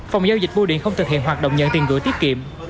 phòng giao dịch bô điện không thực hiện hoạt động nhận tiền gửi tiết kiệm